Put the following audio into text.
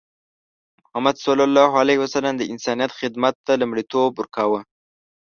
محمد صلى الله عليه وسلم د انسانیت خدمت ته لومړیتوب ورکوله.